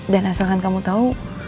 dan asalkan kamu tahu